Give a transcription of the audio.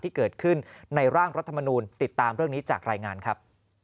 ที่เกิดขึ้นในร่างรัฐมนูลติดตามเรื่องนี้จากรายงานครับ